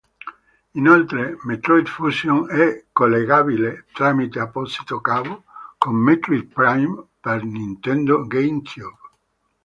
Inoltre, Metroid Fusion è collegabile, tramite apposito cavo, con Metroid Prime per Nintendo GameCube.